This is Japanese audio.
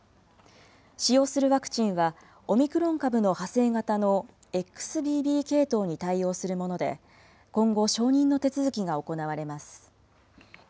使用するワクチンは、オミクロン株の派生型のＸＢＢ系統に対応するもので、今後、承認の手続きが行われます。